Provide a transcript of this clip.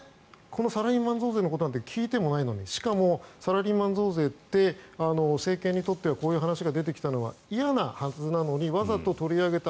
サラリーマン増税のことなんて聞いてもないのにしかもサラリーマン増税って政権にとってこういう話が出てきたのは嫌なはずなのにわざと取り上げた。